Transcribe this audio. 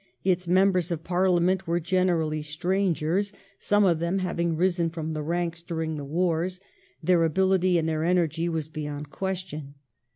Its members of Parliament were generally strangers, some of them having risen from the ranks during the wars — their ability and their energy were beyond question.